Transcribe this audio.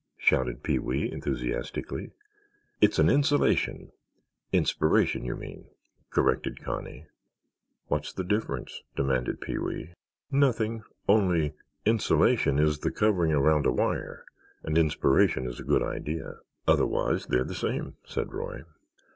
shouted Pee wee, enthusiastically. "It's an insulation—" "Inspiration, you mean," corrected Connie. "What's the difference?" demanded Pee wee. "Nothing—only insulation is the covering around a wire and inspiration is a good idea." "Otherwise they're the same," said Roy.